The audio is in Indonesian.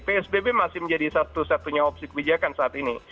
psbb masih menjadi satu satunya opsi kebijakan saat ini